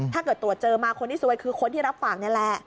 ถ้าเกิดตรวจเจอมาคนที่ซวยคือคนที่รับฝากนี่แหละ